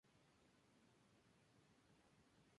Se trasladaron a Río de Janeiro y tuvieron tres hijos.